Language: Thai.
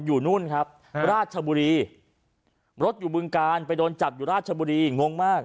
นู่นครับราชบุรีรถอยู่บึงการไปโดนจับอยู่ราชบุรีงงมาก